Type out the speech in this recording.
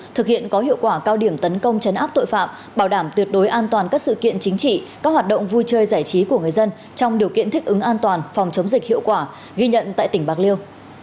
thực hiện có hiệu quả cao điểm tấn công chấn áp tội phạm bảo đảm tuyệt đối an toàn các sự kiện chính trị các hoạt động vui chơi giải trí của người dân trong điều kiện thích ứng an toàn phòng chống dịch hiệu quả ghi nhận tại tỉnh bạc liêu